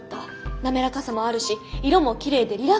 滑らかさもあるし色もきれいでリラックス効果もあるし。